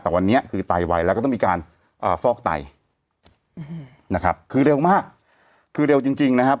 แต่วันนี้คือไตไวแล้วก็ต้องมีการฟอกไตนะครับคือเร็วมากคือเร็วจริงจริงนะครับ